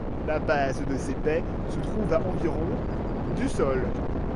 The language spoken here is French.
La base de ces baies se trouve à environ du sol.